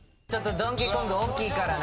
ドンキーコング大きいからな。